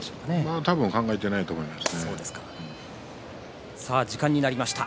あまり考えていないと思います。